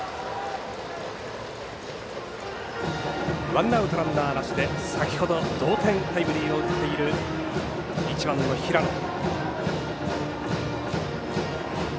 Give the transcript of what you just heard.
ワンアウトランナーなしで先ほど同点タイムリーを打っている１番、平野。